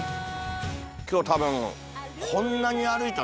今日多分。